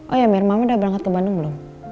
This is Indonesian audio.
oh ya mir mama udah berangkat ke bandung belum